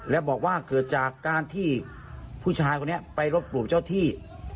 และบอกว่าเกิดจากการที่ผู้ชายคนนี้ไปรบหลู่เจ้าที่